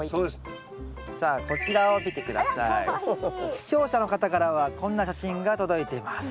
視聴者の方からはこんな写真が届いています。